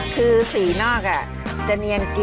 คือสีนอกจะเนียนกิน